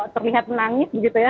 terlihat menangis begitu ya